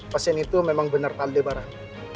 pasien itu memang benar pak aldebaran